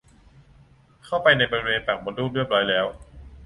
เข้าไปในบริเวณปากมดลูกเรียบร้อยแล้ว